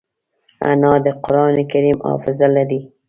انا د قرانکریم حافظه لري